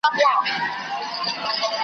هغوی د ملتونو حافظه ړنګوي